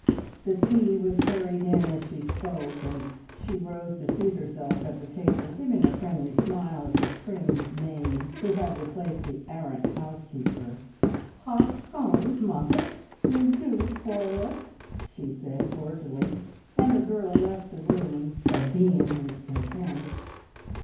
The tea was carried in as she spoke, and she rose to seat herself at the table, giving a friendly smile at the trim maid who had replaced the arrant "housekeeper." "Hot scones, Moffatt? You do spoil us!" she said cordially, and the girl left the room abeam with content.